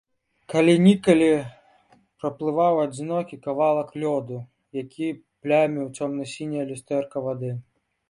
Калі-нікалі праплываў адзінокі кавалак лёду, які пляміў цёмна-сіняе люстэрка вады.